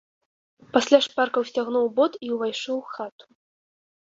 Пасля шпарка ўсцягнуў бот і ўвайшоў у хату.